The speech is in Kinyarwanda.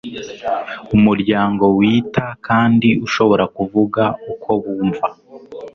umuryango wita kandi ushobora kuvuga uko bumva